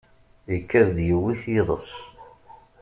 Ikad-d yewwi-t yiḍes.